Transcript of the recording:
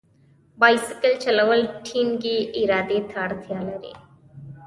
بایسکل چلول ټینګې ارادې ته اړتیا لري.